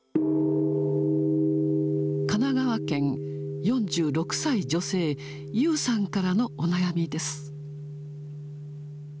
神奈川県、４６歳女性、ゆうさんからのお悩みです。